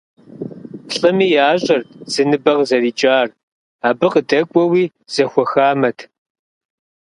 Плӏыми ящӏэрт зы ныбэ къызэрикӏар, абы къыдэкӏуэуи зэхуэхамэт.